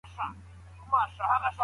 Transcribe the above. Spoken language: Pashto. هڅه وکړئ چي ګټور کتابونه مطالعه کړئ.